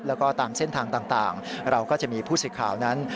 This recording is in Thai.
แล้วก็ตามเส้นทางต่างเราก็จะมีผู้สื่อข่าวนั้น